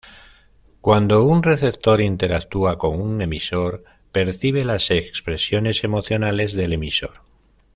Cuando un receptor interactúa con un emisor, percibe las expresiones emocionales del emisor.